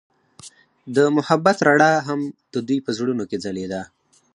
د محبت رڼا هم د دوی په زړونو کې ځلېده.